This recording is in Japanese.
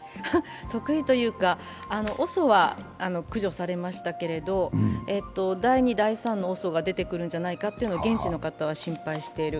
得意というか、ＯＳＯは駆除されましたけど第２、第３のＯＳＯが出てくるんじゃないかと現地の方は心配している。